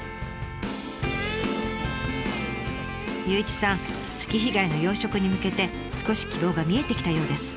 祐一さん月日貝の養殖に向けて少し希望が見えてきたようです。